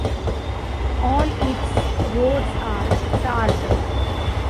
All its roads are tarred.